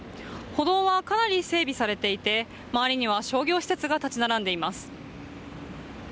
歩道はかなり整備されていて周りには商業施設が建ち並んでいます。